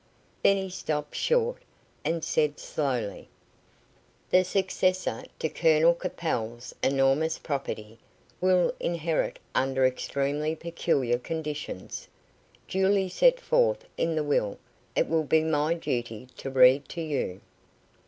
Then he stopped short, and said slowly: "The successor to Colonel Capel's enormous property will inherit under extremely peculiar conditions, duly set forth in the will it will be my duty to read to you."